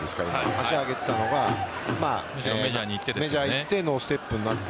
足を上げていたのがメジャーに行ってノーステップになって。